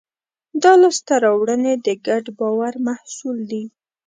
دا لاستهراوړنې د ګډ باور محصول دي.